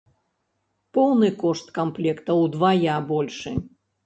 Поўны кошт камплекта ўдвая большы.